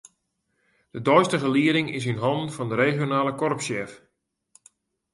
De deistige lieding is yn hannen fan de regionale korpssjef.